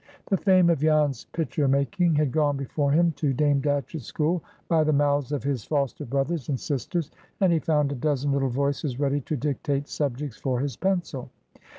The fame of Jan's "pitcher making" had gone before him to Dame Datchett's school by the mouths of his foster brothers and sisters, and he found a dozen little voices ready to dictate subjects for his pencil.